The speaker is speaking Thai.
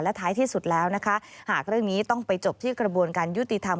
ท้ายที่สุดแล้วนะคะหากเรื่องนี้ต้องไปจบที่กระบวนการยุติธรรม